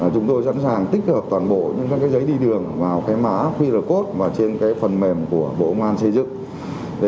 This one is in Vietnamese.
chúng tôi sẵn sàng tích hợp toàn bộ những cái giấy đi đường vào cái mã qr code và trên cái phần mềm của bộ ngoan xây dựng